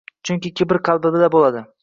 Chunki kibr qalbda bo‘ladi.